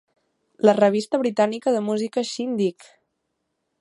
La revista britànica de música Shindig!